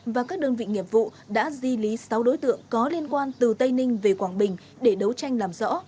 và các đơn vị nghiệp vụ đã di lý sáu đối tượng có liên quan từ tây ninh về quảng bình để đấu tranh làm rõ